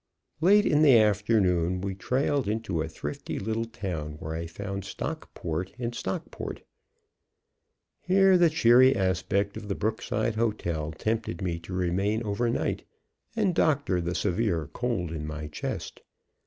Late in the afternoon we trailed into a thrifty little town where I found stock port in Stockport. Here the cheery aspect of the Brookside Hotel tempted me to remain over night, and doctor the severe cold in my chest.